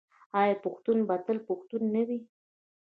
آیا پښتون به تل پښتون نه وي؟